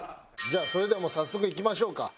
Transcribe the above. じゃあそれではもう早速いきましょうか。